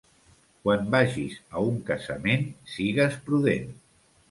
Quan vagis a un casament, sigues prudent.